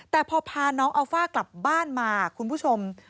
แต่พอพาน้องอัลฟ่ากลับบ้านมาคุณผู้ชม